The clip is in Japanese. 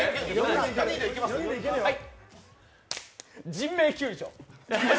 人命救助。